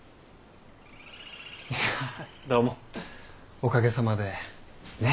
いやどうもおかげさまでねぇ。